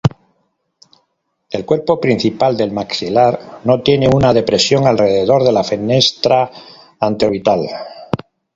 El cuerpo principal del maxilar no tiene una depresión alrededor de la fenestra anteorbital.